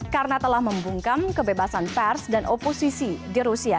karena telah membungkam kebebasan pers dan oposisi di rusia